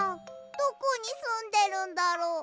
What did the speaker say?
どこにすんでるんだろう？